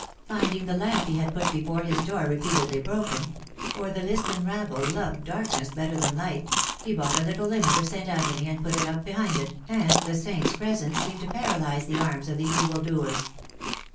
Finding the lamp he had put before his THE ACTRESS IN HIGH LIFE. 221 door repeatedly broken for the Lisbon rabble love darkness better than light he bought a little image of St. Antony, and put it up behind it, and the saint s presence seemed to paralyze the arms of the evil doers."